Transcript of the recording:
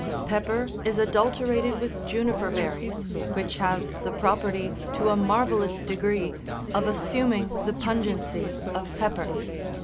Pepper is adulterated with juniper berries, which have the property, to a marvellous degree, of assuming the pungency of pepper.